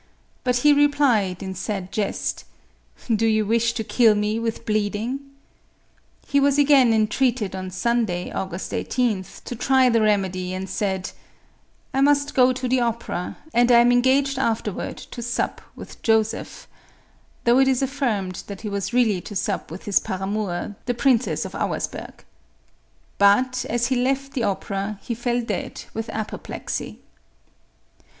But he replied, in sad jest, " Do you wish to kill me with bleeding ?" He was again entreated on Sunday, August 18th, to try the remedy, and said, " I must go to the opera, and I am engaged afterward to sup with Joseph," — though it is affirmed that he was really to sup with his paramour, the ^Princess of Auersburg. But, as he left the opera, he fell dead with apoplexy.